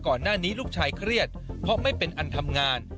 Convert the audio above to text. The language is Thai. ก่อนหน้านี้ลูกชายเครียดเพราะไม่เป็นอันทำงาน